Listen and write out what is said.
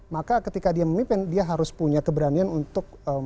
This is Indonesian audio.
maka ketika dia memimpin dia harus punya keberanian untuk